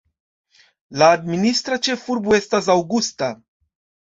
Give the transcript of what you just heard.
La administra ĉefurbo estas Augusta.